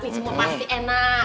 ini semua pasti enak